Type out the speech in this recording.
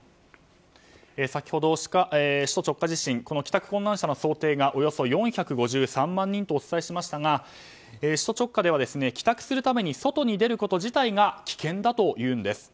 先ほど、首都直下地震の帰宅困難者の想定がおよそ４５３万人とお伝えしましたが首都直下では帰宅するために外に出ること自体が危険だというんです。